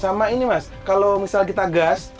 sama ini mas kalau misal kita gas